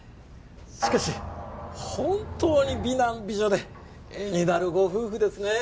しかし本当に美男美女で絵になるご夫婦ですね